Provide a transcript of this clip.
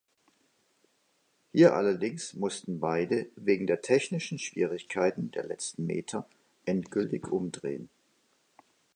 Hier allerdings mussten beide wegen der technischen Schwierigkeiten der letzten Meter endgültig umdrehen.